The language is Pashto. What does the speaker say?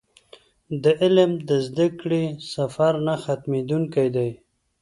د علم د زده کړې سفر نه ختمېدونکی دی.